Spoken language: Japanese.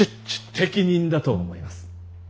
適任だと思います。